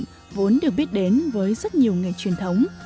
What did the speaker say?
trăm ở ninh thuận vốn được biết đến với rất nhiều nghề truyền thống